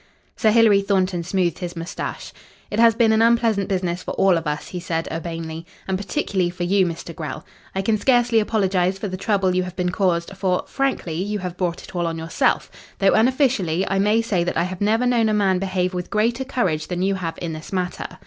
Sir Hilary Thornton smoothed his moustache. "It has been an unpleasant business for all of us," he said urbanely, "and particularly for you, Mr. Grell. I can scarcely apologise for the trouble you have been caused, for, frankly, you have brought it all on yourself, though unofficially, I may say that I have never known a man behave with greater courage than you have in this matter.